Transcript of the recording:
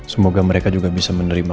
semoga mereka juga bisa menerima